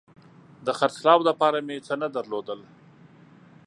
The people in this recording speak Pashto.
د خرڅلاو دپاره مې څه نه درلودل